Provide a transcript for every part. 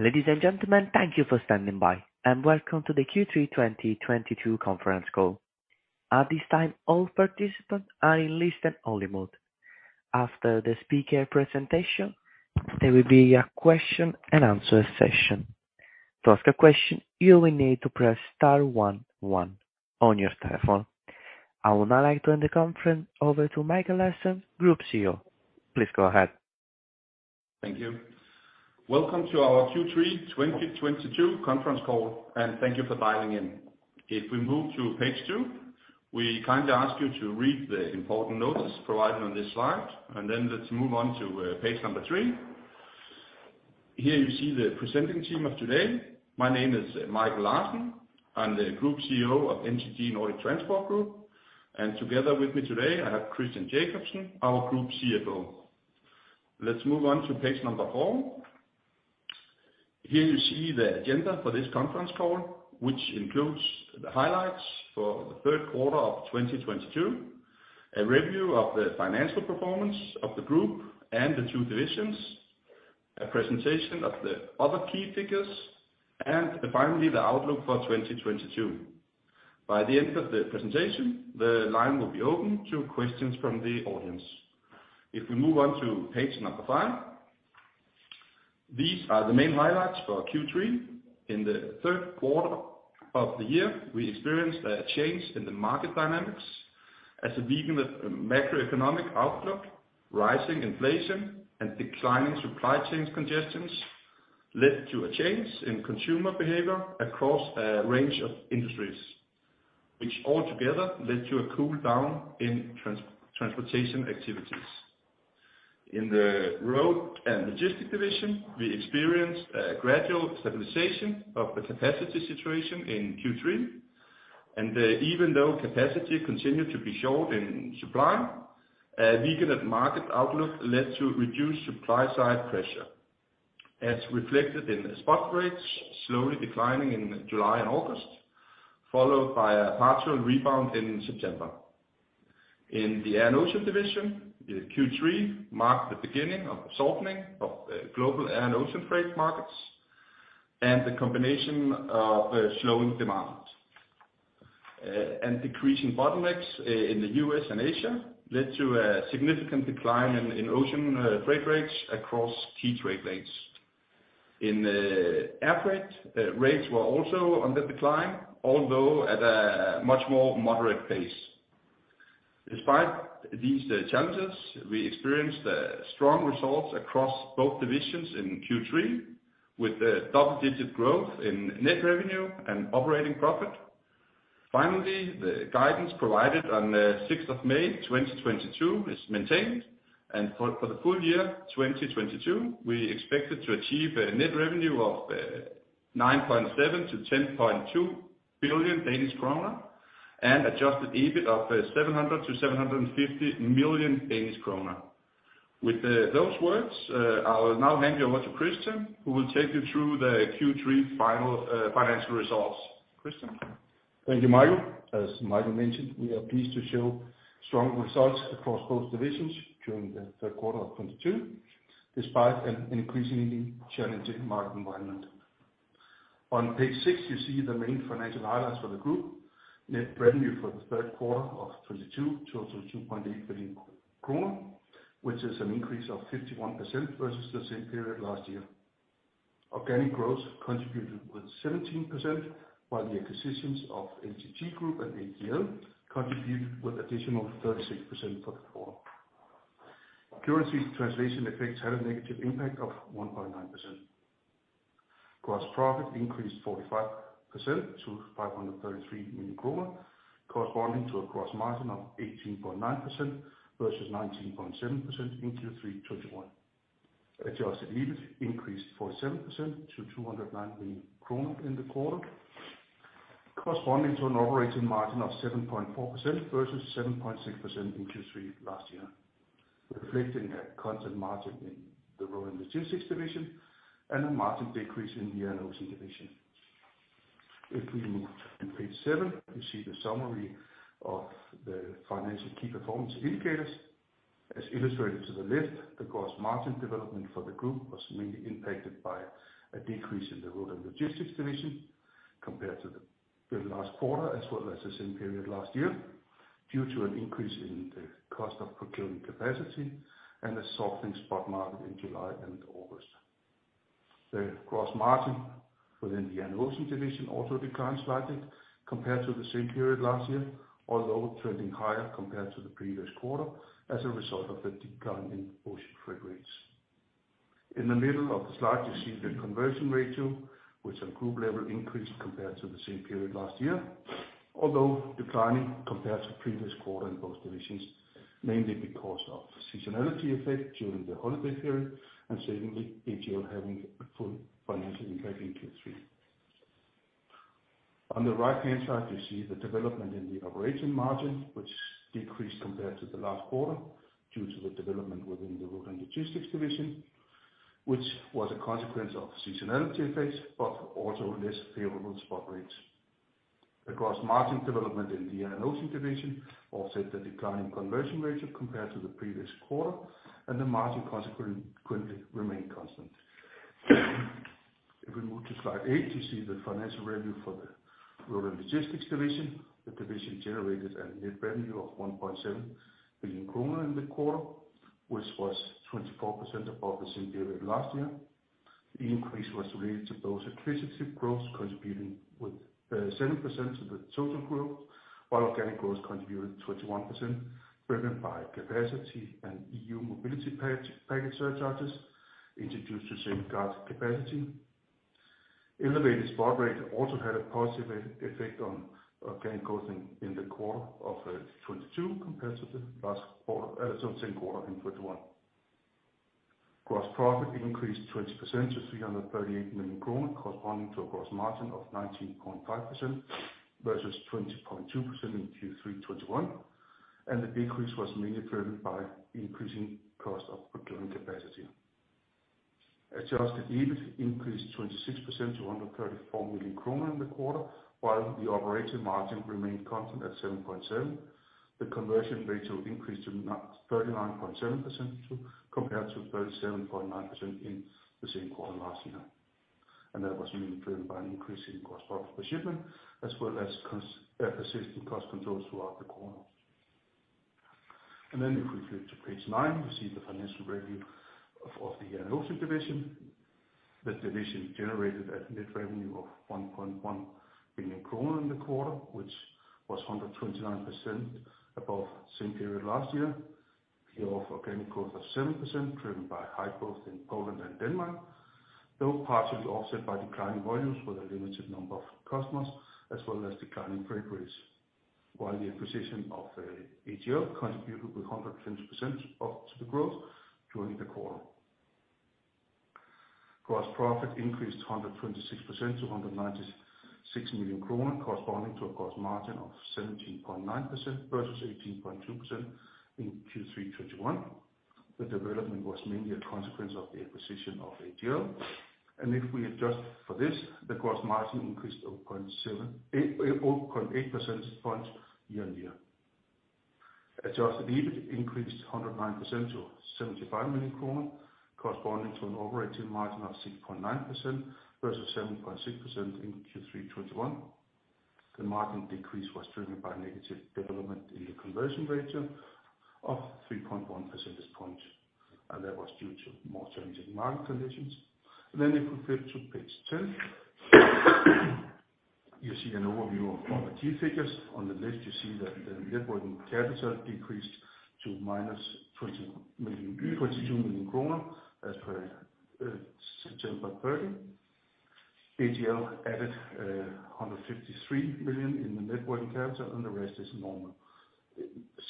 Ladies and gentlemen, thank you for standing by, and welcome to the Q3 2022 conference call. At this time, all participants are in listen only mode. After the speaker presentation, there will be a question-and-answer session. To ask a question, you will need to press star one one on your telephone. I would now like to hand the conference over to Michael Larsen, Group CEO. Please go ahead. Thank you. Welcome to our Q3 2022 conference call, and thank you for dialing in. If we move to Page 2, we kindly ask you to read the important notice provided on this slide, and then let's move on to Page number 3. Here you see the presenting team of today. My name is Michael Larsen. I'm the Group CEO of NTG, Nordic Transport Group, and together with me today, I have Christian Jakobsen, our Group CFO. Let's move on to Page number 4. Here you see the agenda for this conference call, which includes the highlights for the third quarter of 2022, a review of the financial performance of the group and the two divisions, a presentation of the other key figures, and finally, the outlook for 2022. By the end of the presentation, the line will be open to questions from the audience. If we move on to Page number 5, these are the main highlights for Q3. In the third quarter of the year, we experienced a change in the market dynamics as a weakened macroeconomic outlook, rising inflation, and declining supply chain congestions led to a change in consumer behavior across a range of industries, which altogether led to a cool down in transportation activities. In the Road & Logistics Division, we experienced a gradual stabilization of the capacity situation in Q3, and even though capacity continued to be short in supply, a weakened market outlook led to reduced supply side pressure. As reflected in the spot rates, slowly declining in July and August, followed by a partial rebound in September. In the Air & Ocean Division, Q3 marked the beginning of a softening of global air and ocean freight markets and the combination of a slowing demand. Decreasing bottlenecks in the U.S. and Asia led to a significant decline in ocean freight rates across key trade lanes. In air freight, rates were also on the decline, although at a much more moderate pace. Despite these challenges, we experienced strong results across both divisions in Q3 with a double-digit growth in net revenue and operating profit. Finally, the guidance provided on the 6th May, 2022 is maintained. For the full year, 2022, we expected to achieve a net revenue of 9.7 billion-10.2 billion Danish kroner and adjusted EBIT of 700 million-750 million Danish kroner. With those words, I will now hand you over to Christian, who will take you through the Q3 financial results. Christian? Thank you, Michael. As Michael mentioned, we are pleased to show strong results across both divisions during the third quarter of 2022, despite an increasingly challenging market environment. On Page 6, you see the main financial highlights for the group. Net revenue for the third quarter of 2022, total 2.8 billion kroner, which is an increase of 51% versus the same period last year. Organic growth contributed with 17% while the acquisitions of AGL and APL contributed with additional 36% for the quarter. Currency translation effects had a negative impact of 1.9%. Gross profit increased 45% to 533 million kroner, corresponding to a gross margin of 18.9% versus 19.7% in Q3 2021. Adjusted EBIT increased 47% to 209 million kroner in the quarter, corresponding to an operating margin of 7.4% versus 7.6% in Q3 last year, reflecting a constant margin in the Road & Logistics Division and a margin decrease in the Air & Ocean division. If we move to Page 7, you see the summary of the financial key performance indicators. As illustrated to the left, the gross margin development for the group was mainly impacted by a decrease in the Road & Logistics Division compared to the very last quarter as well as the same period last year due to an increase in the cost of procuring capacity and a softening spot market in July and August. The gross margin within the Air & Ocean division also declined slightly compared to the same period last year, although trending higher compared to the previous quarter as a result of the decline in ocean freight rates. In the middle of the slide, you see the conversion ratio, which on group level increased compared to the same period last year, although declining compared to the previous quarter in both divisions, mainly because of seasonality effect during the holiday period and secondly, AGL having a full financial impact in Q3. On the right-hand side, you see the development in the operating margin, which decreased compared to the last quarter due to the development within the Road & Logistics Division, which was a consequence of seasonality effects, but also less favorable spot rates. Air & ocean margin development in the Air & Ocean division offset the declining conversion ratio compared to the previous quarter and the margin consequently remained constant. If we move to Slide 8, you see the financial review for the Road & Logistics Division. The division generated a net revenue of 1.7 billion kroner in the quarter, which was 24% above the same period last year. The increase was related to both acquisition growth contributing with 7% to the total growth, while organic growth contributed 21% driven by capacity and E.U. Mobility Package surcharges introduced to safeguard capacity. Elevated spot rate also had a positive effect on organic growth in the quarter of 2022 compared to the last quarter, same quarter in 2021. Gross profit increased 20% to 338 million kroner corresponding to a gross margin of 19.5% versus 20.2% in Q3 2021, and the decrease was mainly driven by increasing cost of procuring capacity. Adjusted EBIT increased 26% to 134 million kroner in the quarter, while the operating margin remained constant at 7.7%. The conversion ratio increased to 39.7% compared to 37.9% in the same quarter last year. That was mainly driven by an increase in cost per shipment as well as consistent cost controls throughout the quarter. Then if we flip to Page 9, we see the financial review of the Air & Ocean Division. The division generated a net revenue of 1.1 billion kroner in the quarter, which was 129% above same period last year, pure organic growth of 7% driven by high growth in Poland and Denmark, though partially offset by declining volumes with a limited number of customers as well as declining freight rates. While the acquisition of AGL contributed with 100% to the growth during the quarter. Gross profit increased 126% to 196 million kroner corresponding to a gross margin of 17.9% versus 18.2% in Q3 2021. The development was mainly a consequence of the acquisition of AGL. If we adjust for this, the gross margin increased 0.7, 0.8 percentage points year-on-year. Adjusted EBIT increased 109% to 75 million kroner corresponding to an operating margin of 6.9% versus 7.6% in Q3 2021. The margin decrease was driven by negative development in the conversion ratio of 3.1 percentage points, and that was due to more challenging market conditions. If we flip to Page 10, you see an overview of our key figures. On the left you see that the net working capital decreased to minus 22 million kroner as per September 30. AGL added 153 million in the net working capital, and the rest is normal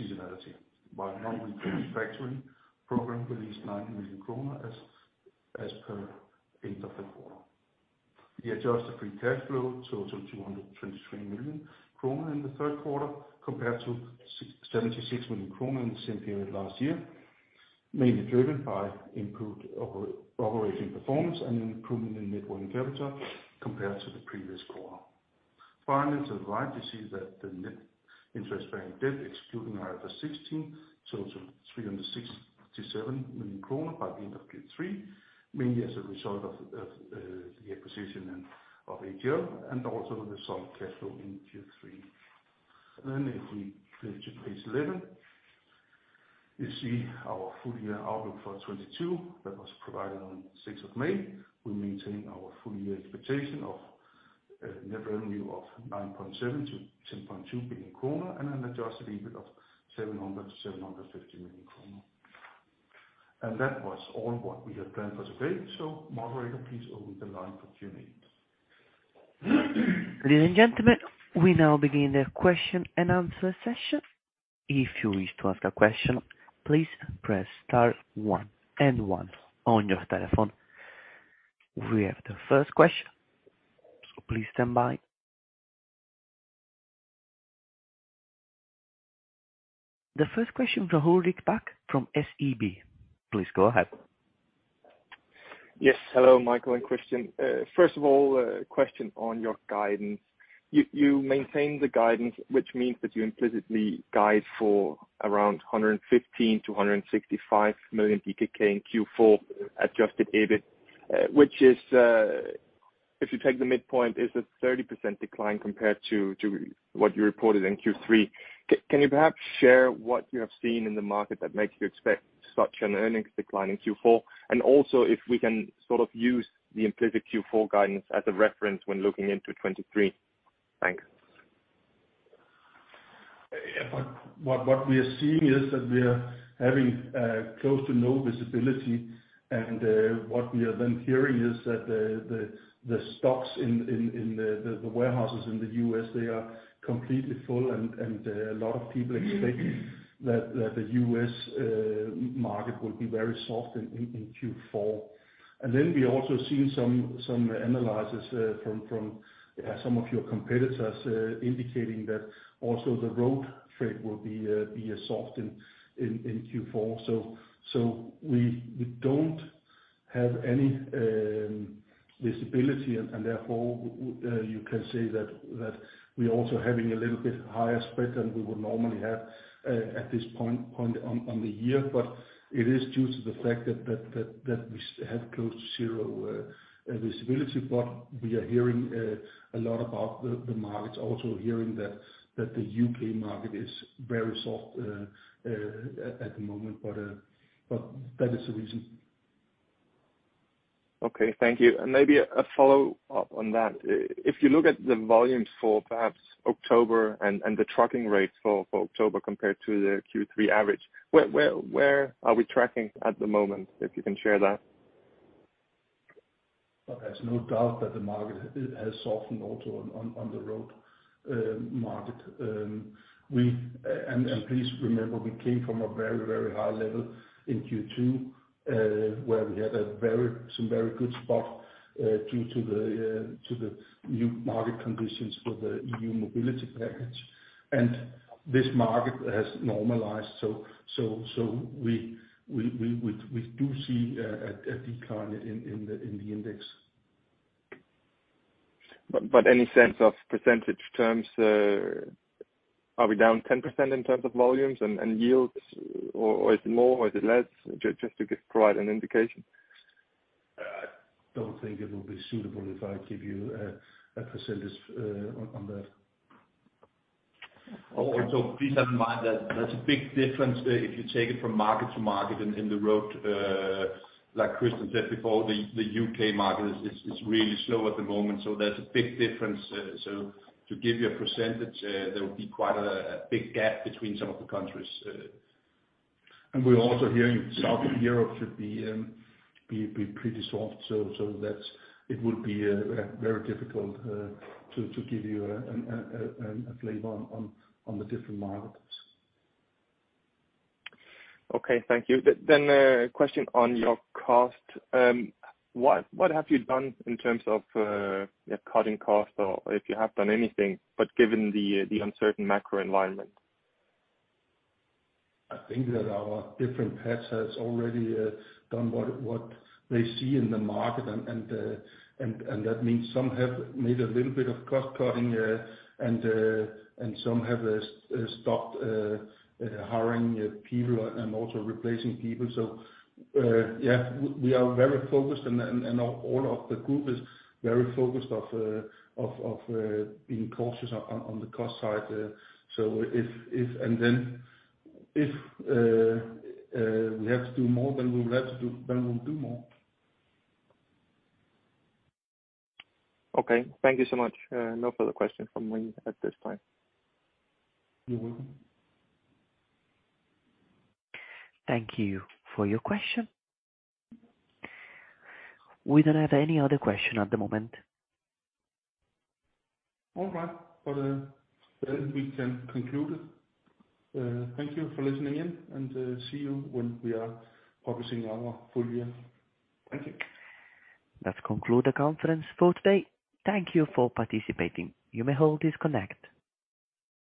seasonality. While our refinancing program released 9 million kroner as per end of the quarter. The adjusted free cash flow totaled 223 million kroner in the third quarter compared to 76 million kroner in the same period last year, mainly driven by improved operating performance and an improvement in net working capital compared to the previous quarter. Finally, to the right you see that the net interest-bearing debt, excluding IFRS 16, totaled 367 million kroner by the end of Q3, mainly as a result of the acquisition of AGL and also the solid cash flow in Q3. If we flip to Page 11, you see our full-year outlook for 2022 that was provided on 6th May. We maintain our full-year expectation of net revenue of 9.7 billion-10.2 billion kroner and an adjusted EBIT of 700 million-750 million kroner. That was all what we had planned for today. Moderator, please open the line for Q&A. Ladies and gentlemen, we now begin the question and answer session. If you wish to ask a question, please press star one and one on your telephone. We have the first question, so please stand by. The first question from Ulrik Bak from SEB. Please go ahead. Yes. Hello, Michael and Christian. First of all, a question on your guidance. You maintain the guidance, which means that you implicitly guide for around 115 million-165 million DKK in Q4 adjusted EBIT. Which is, if you take the midpoint, a 30% decline compared to what you reported in Q3. Can you perhaps share what you have seen in the market that makes you expect such an earnings decline in Q4? Also if we can sort of use the implicit Q4 guidance as a reference when looking into 2023. Thanks. Yeah. What we are seeing is that we are having close to no visibility. What we are then hearing is that the stocks in the warehouses in the U.S., they are completely full and a lot of people expect that the U.S. Market will be very soft in Q4. Then we also see some analysts from some of your competitors indicating that also the road freight will be soft in Q4. We don't have any visibility and therefore you can say that we're also having a little bit higher spread than we would normally have at this point on the year. It is due to the fact that we have close to zero visibility. We are hearing a lot about the markets, also hearing that the U.K. market is very soft at the moment. That is the reason. Okay. Thank you. Maybe a follow-up on that. If you look at the volumes for perhaps October and the trucking rates for October compared to the Q3 average, where are we tracking at the moment, if you can share that? There's no doubt that the market has softened also on the road market. And please remember, we came from a very high level in Q2, where we had some very good spot due to the new market conditions for the E.U. Mobility Package. This market has normalized. We do see a decline in the index. Any sense of percentage terms, are we down 10% in terms of volumes and yields or is it more or is it less? Just to provide an indication. I don't think it will be suitable if I give you a percentage on that. Also, please have in mind that there's a big difference if you take it from market to market in the road. Like Christian said before, the U.K. market is really slow at the moment, so there's a big difference. To give you a percentage, there will be quite a big gap between some of the countries. We're also hearing south of Europe should be pretty soft. It would be very difficult to give you a flavor on the different markets. Okay. Thank you. A question on your cost. What have you done in terms of cutting costs or if you have done anything, but given the uncertain macro environment? I think that our different parts has already done what they see in the market. That means some have made a little bit of cost-cutting, and some have stopped hiring people and also replacing people. Yeah, we are very focused and all of the group is very focused on being cautious on the cost side. If we have to do more, then we'll do more. Okay. Thank you so much. No further questions from me at this time. You're welcome. Thank you for your question. We don't have any other question at the moment. All right. We can conclude it. Thank you for listening in and see you when we are publishing our full year. Thank you. That concludes the conference for today. Thank you for participating. You may all disconnect.